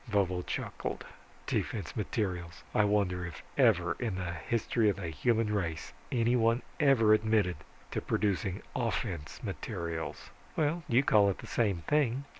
Vovo chuckled, "Defense materials. I wonder if ever in the history of the human race anyone ever admitted to producing offense materials." "Well, you call it the same thing.